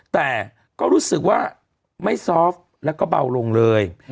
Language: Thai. แต่ก็รู้สึกว่าไม่ซอฟแล้วก็เบาลงเลย